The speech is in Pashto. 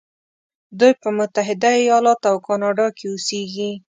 دوی په متحده ایلاتو او کانادا کې اوسیږي.